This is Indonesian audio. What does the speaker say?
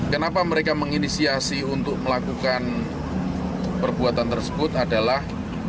kenapa mereka menginisiasi untuk melakukan perbuatan tersebut adalah